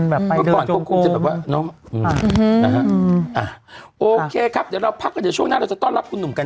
แบบหรือโอเคครับเดี๋ยวเราพักกัน